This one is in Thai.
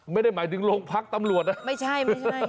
ไม่ได้หมายถึงโรงพักตำรวจนะไม่ใช่ไม่ใช่